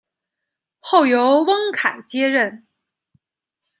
后由翁楷接任。